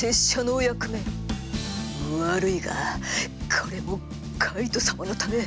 悪いがこれもカイト様のため。